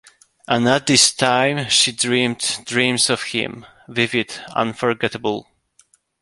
And at this time she dreamed dreams of him, vivid, unforgettable.